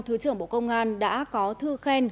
thứ trưởng bộ công an đã có thư khen